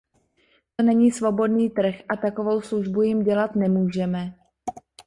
To není svobodný trh a takovou službu jim dělat nemůžeme.